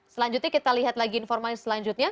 selanjutnya kita lihat lagi informasi selanjutnya